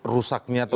rusaknya atau bukan